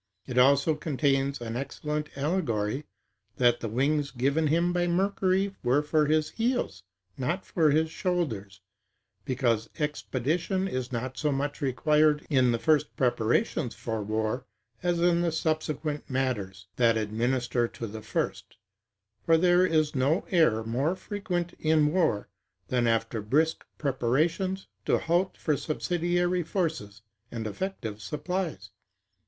It also contains an excellent allegory, that the wings given him by Mercury were for his heels, not for his shoulders; because expedition is not so much required in the first preparations for war, as in the subsequent matters, that administer to the first; for there is no error more frequent in war, than, after brisk preparations, to halt for subsidiary forces and effective supplies.